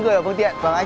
không biết là gì